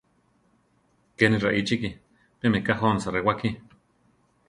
Kéni raíchiki; pé meká jónsa rewáki.